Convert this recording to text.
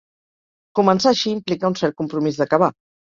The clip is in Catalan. Començar així implica un cert compromís d'acabar.